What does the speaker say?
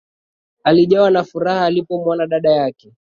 Alijawa na furaha alipomwona dada yake